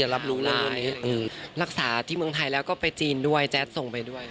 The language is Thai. รักษาที่เมืองไทยแล้วก็ไปจีนด้วยแจ๊ดส่งไปด้วย